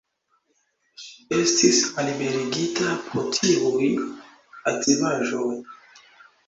Ŝi estis malliberigita pro tiuj aktivaĵoj.